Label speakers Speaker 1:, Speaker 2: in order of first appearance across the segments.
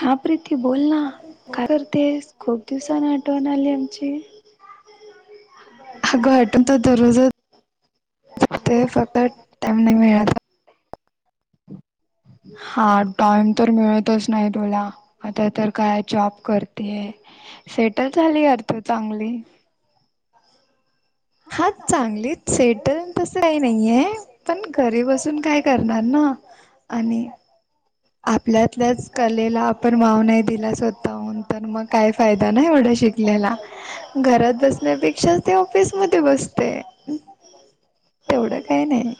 Speaker 1: हा [unintelligible] ती बोल ना काय करतेस खूप दिवसानी आठवण आली आमची.
Speaker 2: अग आठवण तर दररज ते फक्त टाइम नाय मिळत.
Speaker 1: हा टाइम तर मिळतच नाही तुला आता तर काय जॉब करतेय. सेटल झाली अर तू चांगली.
Speaker 2: हा चांगली
Speaker 1: तरी
Speaker 2: सेटल
Speaker 1: बसून
Speaker 2: तस काही नाहीये पण घरी बसून काय करणार ना आणि... आपल्यातल्याच कलेला आपण वाव नाही दिला स्वतहून तर मग काय फायदा नाही एढ्या शिकलेला घरात बसण्यापेक्षा ते ऑफिस मध्ये बसते. तेवढं काही नाही.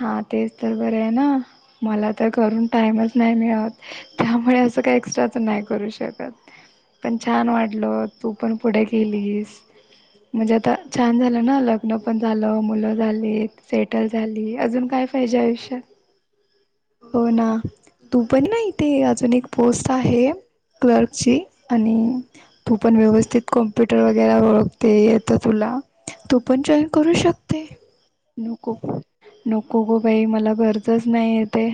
Speaker 1: हा तेच तर बरे आहे ना मला तर घरून टाइमच नाही मिळत त्यामुळे काही एक्स्ट्राच नाही करू शकत. पण छान वाटल तू पण पुढे गेलीस. म्हणजे आता छान झालं ना लग्न पण झालं मुलं झाली सेटल झाली. अजून काय पाहिजे आयुष्यात?
Speaker 2: हो ना तू पण ना इथे अजून एक पोस्ट आहे क्लर्कची आणि.. तू पण व्यवस्थित कॉम्प्युटर वगैरे ओळखते येत तुला. तू पण जॉईन करू शकते.
Speaker 1: नको नको ग बाई मला गरजच नाही येते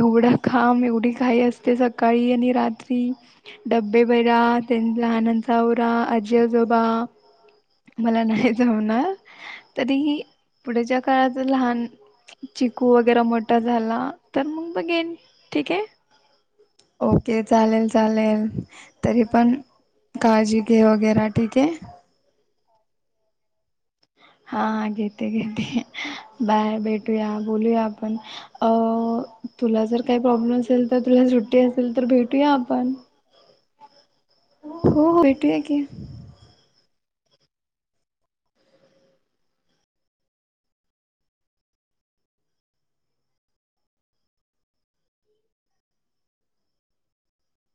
Speaker 1: एवढं काम एवढी घाई असते सकाळी आणि रात्री डबे भैरा त्यां लहनांच आवरा. जेजोबा मला नाही जमणार तरीही... पुढेच्या काळात लहान चिकव जरा मोठा झाला तर तर मग बघेन ठीक आहे.
Speaker 2: ओके चालेल चालेल तरी पण काळजी घे वगैरे ठीक आहे.
Speaker 1: रिकामा ऑडिओ हा घेते घेते बाय भेटूया बोलूया आपण अ... तुला जर काही प्रॉब्लेम असेल तर तुला सुट्टी असेल तर भेटूया आपण.
Speaker 2: हो भेटूया की.